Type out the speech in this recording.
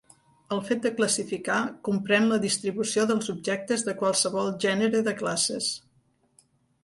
El fet de classificar comprèn la distribució dels objectes de qualsevol gènere de classes.